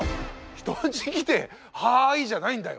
人ん家来て「はぁい！」じゃないんだよ。